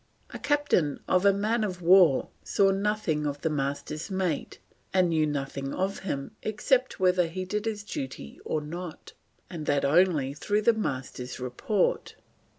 A Captain of a man of war saw nothing of a Master's mate, and knew nothing of him except whether he did his duty or not, and that only through the Master's report.